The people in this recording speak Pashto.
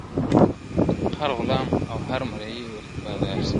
• هر غلام او هر مریی ورته بادار سي -